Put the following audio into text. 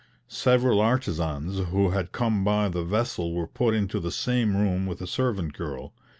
Several artizans who had come by the vessel were put into the same room with a servant girl.